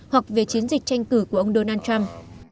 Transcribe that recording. hoặc về chiến dịch tranh cử của ông donald trump